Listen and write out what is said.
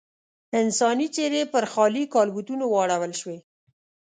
انساني څېرې پر خالي کالبوتونو واړول شوې.